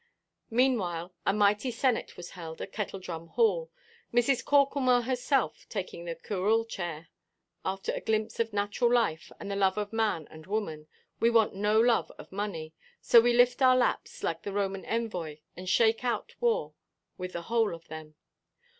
Meanwhile, a mighty senate was held at Kettledrum Hall, Mrs. Corklemore herself taking the curule chair. After a glimpse of natural life, and the love of man and woman, we want no love of money; so we lift our laps (like the Roman envoy) and shake out war with the whole of them.